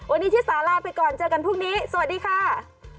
วันนี้ที่สาลาไปก่อนเจอกันพรุ่งนี้สวัสดีค่ะ